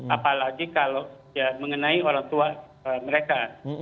apalagi kalau mengenai orang tua mereka